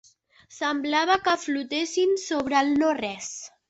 Semblava que flotessin sobre el no-res.